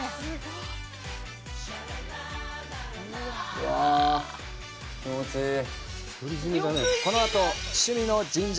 うわあ、気持ちいい。